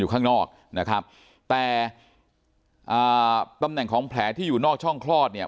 ข้างนอกนะครับแต่อ่าตำแหน่งของแผลที่อยู่นอกช่องคลอดเนี่ย